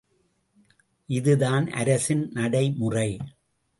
இதுதான் அரசின் நடைமுறை.